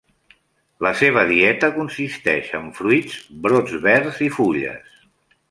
La seva dieta consisteix en fruits, brots verds i fulles.